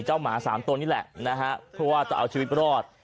หมา๓ตัวนี่แหละนะฮะเพราะว่าจะเอาชีวิตรอด